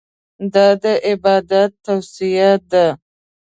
دا د عبادت توصیه ده.